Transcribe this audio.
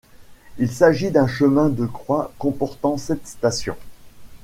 Il s'agit d'un chemin de croix comportant sept stations.